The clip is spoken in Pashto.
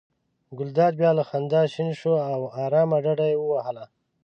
ګلداد بیا له خندا شین شو او آرامه ډډه یې ووهله.